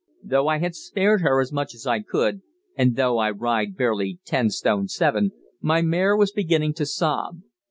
Though I had spared her as much as I could, and though I ride barely ten stone seven, my mare was beginning to sob.